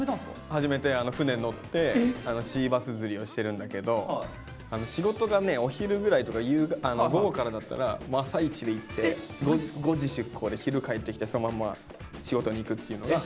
始めて船乗ってシーバス釣りをしてるんだけど仕事がねお昼ぐらいとか午後からだったらもう朝一で行って５時出航で昼帰ってきてそのまんま仕事に行くっていうのが。